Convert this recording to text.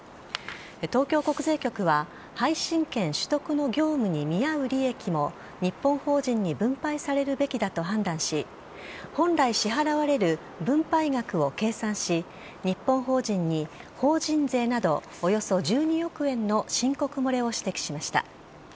東京国税局は、配信権取得の業務に見合う利益も、日本法人に分配されるべきだと判断し、本来支払われる分配額を計算し、日本法人に、法人税などおよそ１２億円の申告漏れを指摘しました。